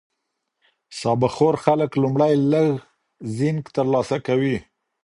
سابه خور خلک لومړی لږ زینک ترلاسه کوي.